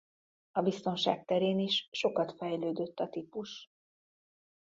A biztonság terén is sokat fejlődött a típus.